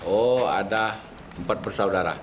oh ada empat bersaudara